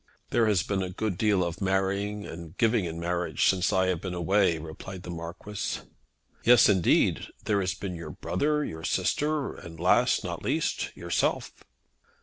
"There has been a good deal of marrying and giving in marriage since I have been away," replied the Marquis. "Yes, indeed. There has been your brother, your sister, and last, not least, yourself."